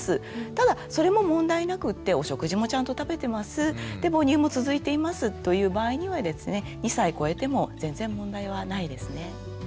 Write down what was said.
ただそれも問題なくってお食事もちゃんと食べてますで母乳も続いていますという場合にはですね２歳こえても全然問題はないですね。